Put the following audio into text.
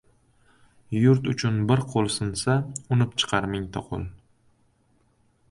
Yurt uchun bir qo‘l sinsa, unib chiqar mingta qo‘l.